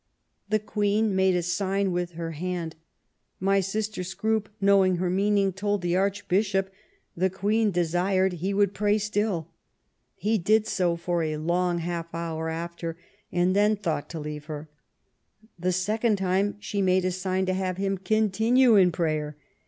The Queen made a sign with her hand. My Sister Scroope, knowing her meaning, told the Archbishop the Queen desired he would pray still. He did so for a long half hour after, and then thought to leave her. The second time she made a sign to have him continue in prayer.